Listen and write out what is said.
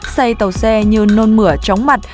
say tàu xe như nôn mửa chóng mặt